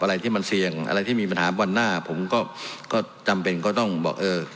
อะไรที่มันเสี่ยงอะไรที่มีปัญหาวันหน้าผมก็จำเป็นก็ต้องบอกเออ